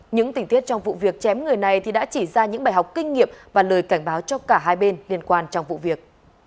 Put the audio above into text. những tình tiết trong vụ việc chém người này đã chỉ ra những bài học kinh nghiệm và lời cảnh báo cho cả hai bên liên quan trong vụ việc